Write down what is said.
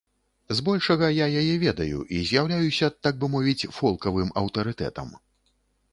З большага я яе ведаю і з'яўляюся, так бы мовіць, фолкавым аўтарытэтам.